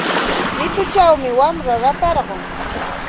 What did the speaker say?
Mituchawmi wamra ratarqun.